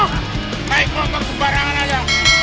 naik lo ke barangan aja